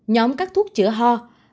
hai nhóm các thuốc chữa ho